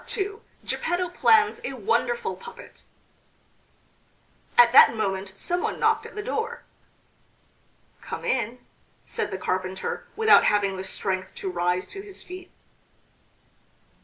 II GEPPETTO PLANS A WONDERFUL PUPPET At that moment some one knocked at the door. "Come in," said the carpenter, without having the strength to rise to his feet.